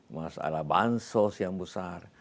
masalah bansos yang besar